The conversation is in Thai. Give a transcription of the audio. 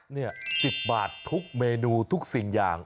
นี่๑๐บาททุกเมนูทุกสิ่งอย่าง